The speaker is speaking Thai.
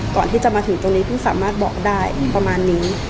ก่อนที่จะมาถึงตรงนี้เพิ่งสามารถบอกได้ประมาณนี้